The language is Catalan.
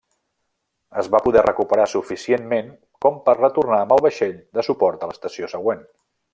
Es va poder recuperar suficientment com per retornar amb el vaixell de suport l'estació següent.